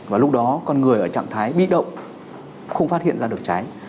và lúc đó con người ở trạng thái bị động không phát hiện ra được cháy